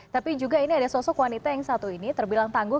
tapi juga ini ada sosok wanita yang satu ini terbilang tangguh